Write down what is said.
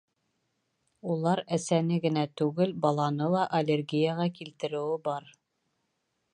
Улар әсәне генә түгел, баланы ла аллергияға килтереүе бар.